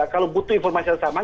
kalau butuh informasi yang sama